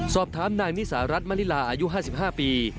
สอบถามนายนิสารัฐมลิลาอายุ๕๕ปี